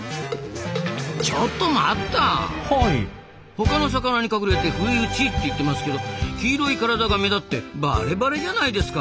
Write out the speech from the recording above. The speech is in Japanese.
他の魚に隠れて不意打ちって言ってますけど黄色い体が目立ってバレバレじゃないですか。